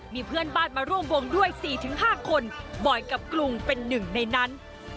มีเพื่อนบ้านมาร่วมวงด้วย๔๕คนบ่อยกับกรุงเป็นหนึ่งในนั้น